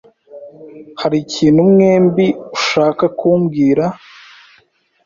Hari ikintu mwembi ushaka kumbwira?